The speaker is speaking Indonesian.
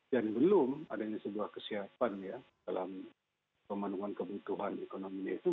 dan belum adanya sebuah kesiapan dalam pemanungan kebutuhan ekonomi itu